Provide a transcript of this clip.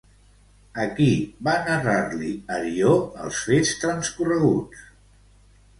A qui va narrar-li, Arió, els fets transcorreguts?